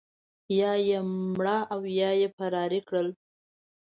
یا یې مړه او یا یې فرار کړل.